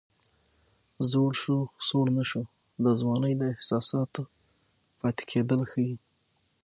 زوړ شو خو سوړ نه شو د ځوانۍ د احساساتو پاتې کېدل ښيي